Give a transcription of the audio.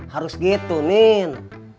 harus gitu nin